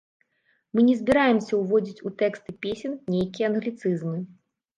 Мы не збіраемся ўводзіць у тэксты песень нейкія англіцызмы.